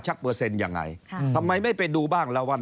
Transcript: ชักเปอร์เซ็นต์ยังไงทำไมไม่ไปดูบ้างละว่า